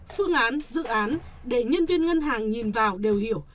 phương án dự án để nhân viên ngân hàng nhìn vào đều hiểu